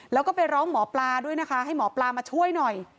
แล้วก็ไปร้องหมอปลาด้วยนะคะให้หมอปลามาช่วยหน่อย